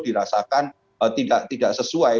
dirasakan tidak sesuai